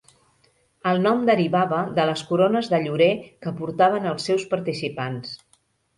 El nom derivava de les corones de llorer que portaven els seus participants.